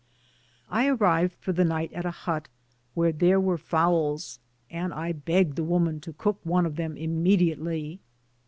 I arrived for the night at a hut, where there were fowls, and I begged the woman to cook one of them immediately.